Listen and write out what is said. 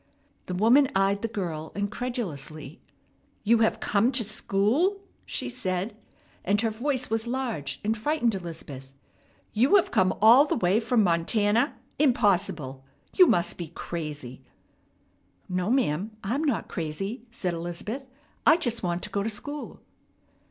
The woman eyed the girl incredulously. "You have come to school!" she said; and her voice was large, and frightened Elizabeth. "You have come all the way from Montana! Impossible! You must be crazy." "No, ma'am, I'm not crazy," said Elizabeth. "I just want to go to school."